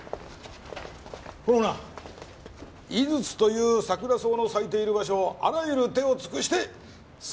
このなあ井筒というサクラソウの咲いている場所をあらゆる手を尽くして探し出せ！